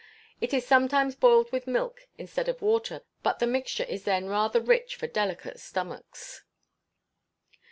It is sometimes boiled with milk instead of water, but the mixture is then rather rich for delicate stomachs.